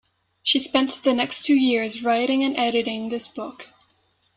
She spent the next two years writing and editing this book.